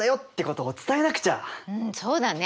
うんそうだね。